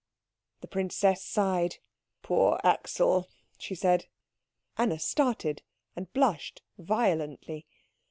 The princess sighed. "Poor Axel," she said. Anna started, and blushed violently.